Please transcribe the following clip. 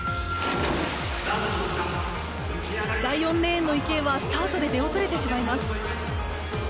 第４レーンの池江はスタートで出遅れてしまいます。